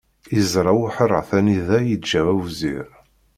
Iẓra uḥeṛṛat anida yiǧǧa awzir.